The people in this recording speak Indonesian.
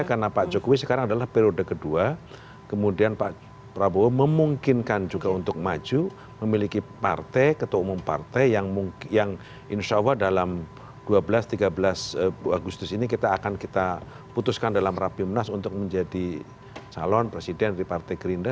karena pak jokowi sekarang adalah periode kedua kemudian pak prabowo memungkinkan juga untuk maju memiliki partai ketua umum partai yang insya allah dalam dua belas tiga belas agustus ini kita akan kita putuskan dalam rapi menas untuk menjadi salon presiden di partai gerinda